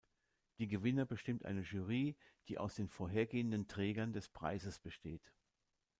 Die Gewinner bestimmt eine Jury, die aus den vorhergehenden Trägern des Preises besteht.